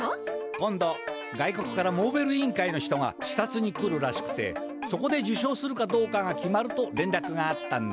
今度外国からモーベル委員会の人がしさつに来るらしくてそこで受賞するかどうかが決まるとれんらくがあったんだ。